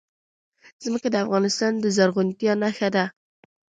ځمکه د افغانستان د زرغونتیا نښه ده.